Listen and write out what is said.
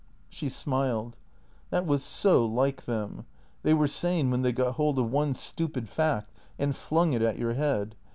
She smiled. That was so like them. They were sane when they got hold of one stupid fact and flung it at your head.